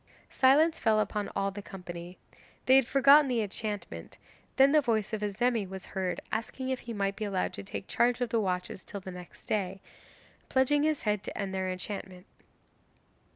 Silence fell upon all the company they had forgotten the enchantment; then the voice of Azemi was heard asking if he might be allowed to take charge of the watches till the next day, pledging his head to end their enchantment.